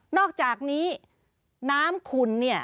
อกจากนี้น้ำขุนเนี่ย